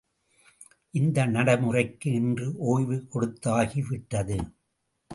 இந்த நடைமுறைக்கு இன்று ஓய்வு கொடுத்தாகி விட்டது.